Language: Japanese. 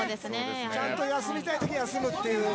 ちゃんと休みたい時、休むという。